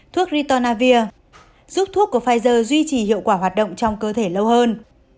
thuốc ritonavir giúp thuốc của pfizer duy trì hiệu quả hoạt động trong cơ thể lâu hơn